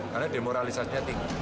karena demoralisasi tinggi